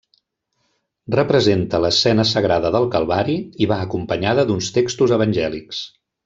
Representa l’escena sagrada del Calvari i va acompanyada d'uns textos evangèlics.